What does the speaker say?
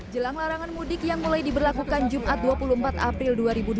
jelang larangan mudik yang mulai diberlakukan jumat dua puluh empat april dua ribu dua puluh